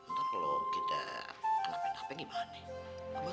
ntar kalau kita anak anaknya takut gimana